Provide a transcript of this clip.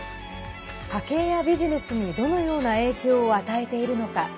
家計やビジネスにどのような影響を与えているのか。